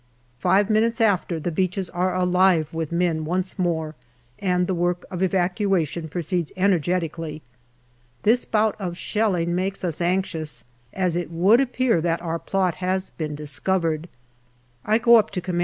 Five minutes after, the beaches are alive with men once more, and the work of evacuation proceeds energetically. This bout of shelling makes us anxious, as it would appear that our plot has been discovered. I go up to C.R.